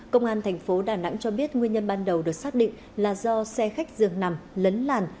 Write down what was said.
công an thành phố đà nẵng cho biết nguyên nhân ban đầu được xác định là do xe khách dường nằm lấn làn